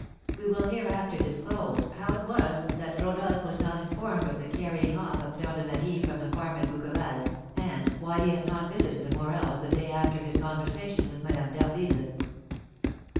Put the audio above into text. We will hereafter disclose how it was that Rodolph was not informed of the carrying off of Fleur de Marie from the farm at Bouqueval, and why he had not visited the Morels the day after his conversation with Madame d'Harville.